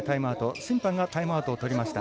審判がタイムアウトをとりました。